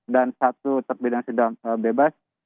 dan satu terpidan sudah bebas